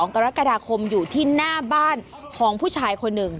กรกฎาคมอยู่ที่หน้าบ้านของผู้ชายคนหนึ่ง